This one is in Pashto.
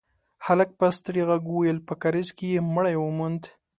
هلک په ستړي غږ وويل: په کارېز کې يې مړی وموند.